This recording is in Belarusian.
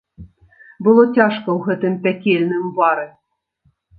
Было цяжка ў гэтым пякельным вары.